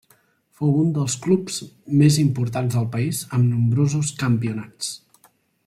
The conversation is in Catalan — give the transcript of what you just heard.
Fou un dels clubs més importants del país amb nombrosos campionats.